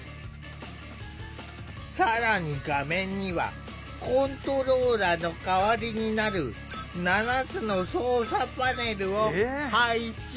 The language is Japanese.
更に画面にはコントローラーの代わりになる７つの操作パネルを配置。